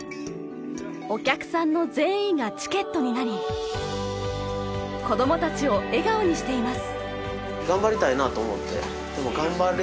お客さんの善意がチケットになり子どもたちを笑顔にしています。